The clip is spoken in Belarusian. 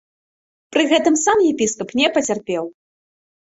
Пры гэтым сам епіскап не пацярпеў.